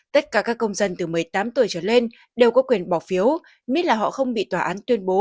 tất cả các công dân từ một mươi tám tuổi trở lên đều có quyền bỏ phiếu miễn là họ không bị tòa án tuyên bố